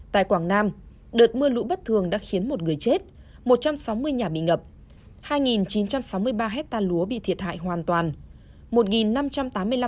tại quảng nam đợt mưa lũ bất thường đã khiến một người chết một trăm sáu mươi nhà bị ngập hai chín trăm sáu mươi ba hectare lúa bị thiệt hại hoàn toàn